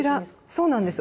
そうなんです。